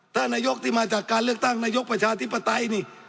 นายกที่มาจากการเลือกตั้งนายกประชาธิปไตยนี่